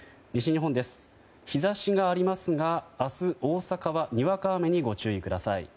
日差しがありますが明日、大阪はにわか雨にご注意ください。